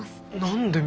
何で？